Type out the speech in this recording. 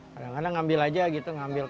kadang kadang ngambil aja gitu ngambil